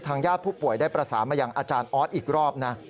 ญาติผู้ป่วยได้ประสานมาอย่างอาจารย์ออสอีกรอบนะ